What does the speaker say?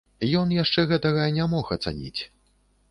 Ён яшчэ гэтага не мог ацаніць.